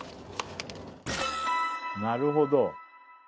なるほど。